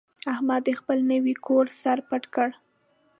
احمد د خپل نوي کور سر پټ کړ.